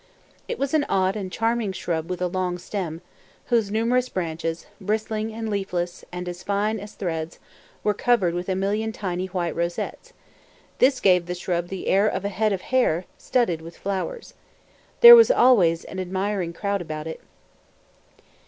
It was an odd and charming shrub with a long stem, whose numerous branches, bristling and leafless and as fine as threads, were covered with a million tiny white rosettes; this gave the shrub the air of a head of hair studded with flowers. There was always an admiring crowd about it.